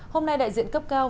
hôm nay đại diện cấp cao